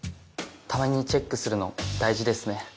たまにチェックするの大事ですね。